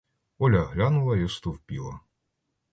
Оля глянула й остовпіла.